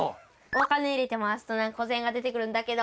お金入れて回すと、古銭が出てくるんだけど。